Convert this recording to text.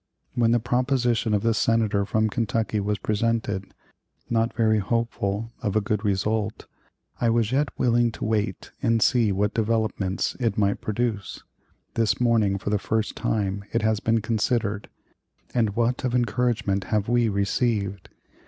When the proposition of the Senator from Kentucky was presented not very hopeful of a good result I was yet willing to wait and see what developments it might produce. This morning, for the first time, it has been considered; and what of encouragement have we received?